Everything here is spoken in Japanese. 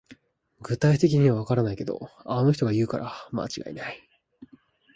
具体的にはわからないけど、あの人が言うから間違いない